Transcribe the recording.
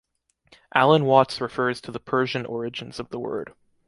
Alan Watts refers to the Persian origins of the word.